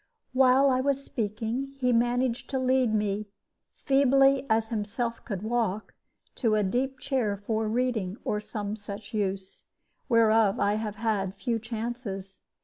While I was speaking he managed to lead me, feebly as himself could walk, to a deep chair for reading, or some such use, whereof I have had few chances.